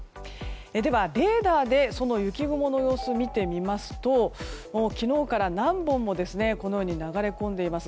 では、レーダーで雪雲の様子を見てみますと昨日から何本も流れ込んでいます。